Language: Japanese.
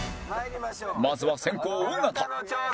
まずは先攻尾形